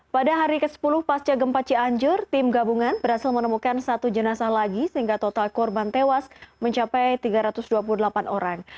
pada hari ke sepuluh pasca gempa cianjur tim gabungan berhasil menemukan satu jenazah lagi sehingga total korban tewas mencapai tiga ratus dua puluh delapan orang